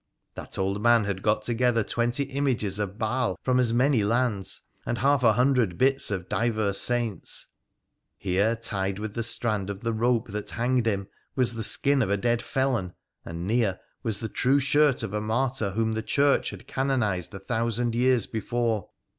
That old mar had got together twenty images of Baal from as many lands and half a hundred bits of divers saints. Here, tied with th< strand of the rope that hanged him, was the skin of a deac felon, and near was the true shirt of a martyr whom th< Church had canonised a thousand years before.